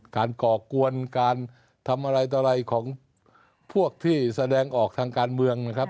ก่อกวนการทำอะไรต่ออะไรของพวกที่แสดงออกทางการเมืองนะครับ